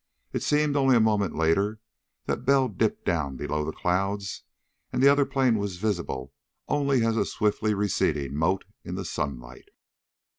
It seemed only a moment later that Bell dipped down below the clouds and the other plane was visible only as a swiftly receding mote in the sunlight.